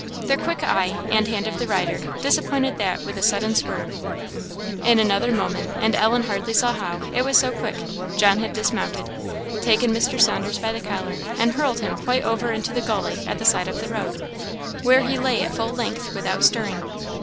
The quick eye and hand of the rider disappointed that with a sudden swerve. In another moment and Ellen hardly saw how, it was so quick John had dismounted, taken Mr. Saunders by the collar, and hurled him quite over into the gulley at the side of the road, where he lay at full length without stirring.